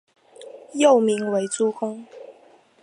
幼名为珠宫。